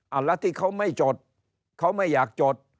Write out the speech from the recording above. แล้วที่เขาไม่จดเขาไม่อยากจด